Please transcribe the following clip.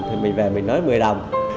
thì mình về mình nói một mươi đồng